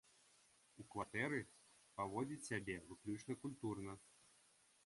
У кватэры паводзіць сябе выключна культурна.